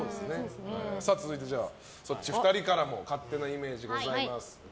続いて、２人からも勝手なイメージがございます。